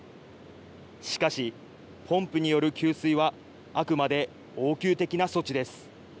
しかし、ポンプによる給水はあくまで応急的な措置です。